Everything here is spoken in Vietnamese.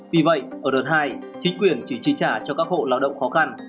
vì vậy ở đợt hai chính quyền chỉ chi trả cho các hộ lao động khó khăn